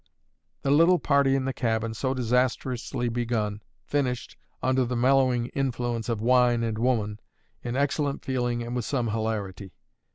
The little party in the cabin, so disastrously begun, finished, under the mellowing influence of wine and woman, in excellent feeling and with some hilarity.